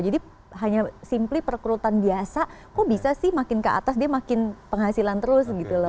jadi hanya simply perekrutan biasa kok bisa sih makin ke atas dia makin penghasilan terus gitu loh